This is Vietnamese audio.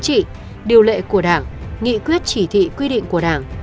trị điều lệ của đảng nghị quyết chỉ thị quy định của đảng